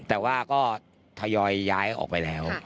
แต่ว่าก็ทยอยย้ายออกไปแล้ว